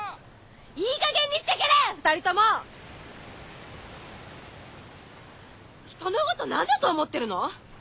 いいかげんにしてけれ２人とも！人のこと何だと思ってるの？